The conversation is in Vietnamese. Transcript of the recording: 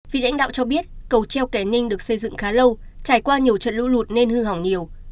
vị lãnh đạo cho biết cầu treo kẻ ninh được xây dựng khá lâu trải qua nhiều trận lũ lụt nên hư hỏng nhiều